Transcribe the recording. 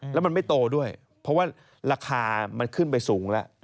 แล้วมันไม่โตด้วยเพราะว่าราคามันขึ้นไปสูงแล้ว